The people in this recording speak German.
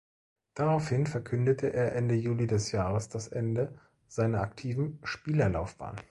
Daraufhin verkündete er Ende Juli des Jahres das Ende seiner aktiven Spielerlaufbahn.